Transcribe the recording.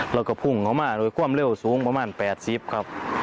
แล้วก็พุ่งเข้ามาโดยความเร็วสูงประมาณ๘๐ครับ